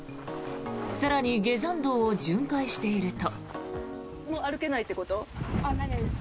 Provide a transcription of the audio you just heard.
更に下山道を巡回していると。